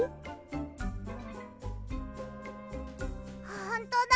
ほんとだ！